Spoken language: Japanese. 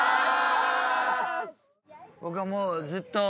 僕はもうずっと。